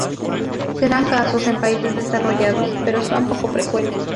Se dan casos en países desarrollados, pero son poco frecuentes.